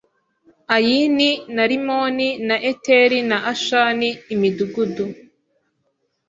Ayini na Rimoni na Eteri na Ashani Imidugudu